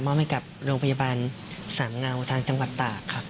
มอบให้กับโรงพยาบาลสามเงาทางจังหวัดตากครับ